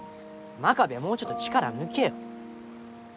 真壁はもうちょっと力抜けよ。